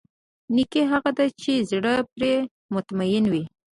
نېکي هغه ده چې زړه پرې مطمئن وي.